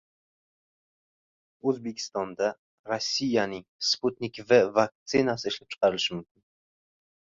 O‘zbekistonda Rossiyaning "Sputnik V" vaktsinasi ishlab chiqarilishi mumkin